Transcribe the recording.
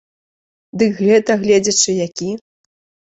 Дык гэта гледзячы які.